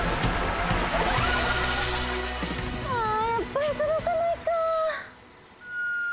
あやっぱりとどかないかぁ。